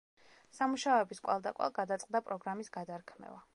სამუშაოების კვალდაკვალ გადაწყდა პროგრამის გადარქმევა.